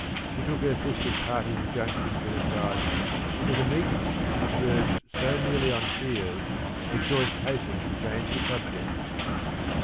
She took her sister's parting injunctions and advice with a meekness that verged so nearly on tears that Joyce hastened to change the subject.